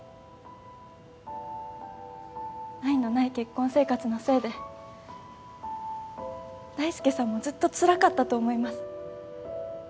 愛のない結婚生活のせいで大介さんもずっとつらかったと思います。